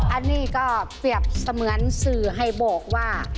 อันนี้ก็เปรียบเสมือนสื่อให้บอกว่า